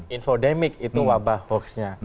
infodemic itu wabah hoaksnya